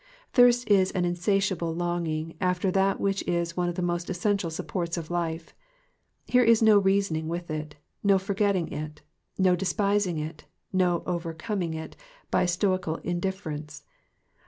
''^ Thirst is an insatiable longing after that which is one of the most essential supports of life ; there is no reasoning with it, no forgetting it, no despising it, no overcoming it by stoical indifference.